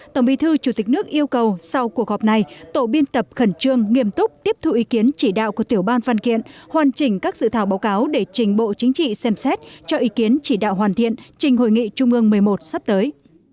tổng bí thư chủ tịch nước yêu cầu sau cuộc họp này tổ biên tập khẩn trương nghiêm túc tiếp thu ý kiến chỉ đạo của tiểu ban văn kiện hoàn chỉnh các dự thảo báo cáo để trình bộ chính trị xem xét cho ý kiến chỉ đạo hoàn thiện trình hội nghị trung ương một mươi một sắp tới